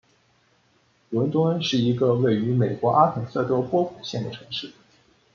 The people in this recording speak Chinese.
伦敦是一个位于美国阿肯色州波普县的城市。